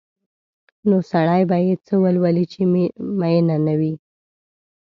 نو سړی به یې څه ولولي چې مینه نه وي؟